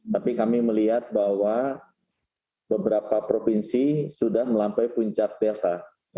tapi kami melihat bahwa beberapa provinsi sudah melampaui puncak delta